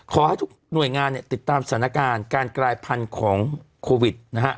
ขอให้ทุกหน่วยงานเนี่ยติดตามสถานการณ์การกลายพันธุ์ของโควิดนะฮะ